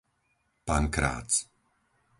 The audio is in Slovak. Pankrác